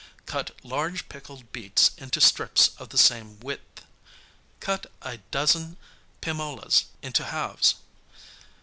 Cut large pickled beets into strips of the same width. Cut a dozen pimolas into halves.